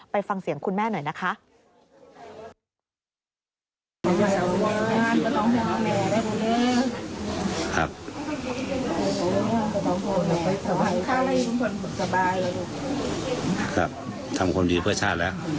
ฟังเสียงคุณแม่หน่อยนะคะ